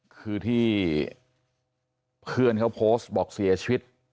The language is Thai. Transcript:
คือที่เพื่อนเขาโพสต์บอกเสียชีวิต